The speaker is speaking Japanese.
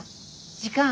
時間。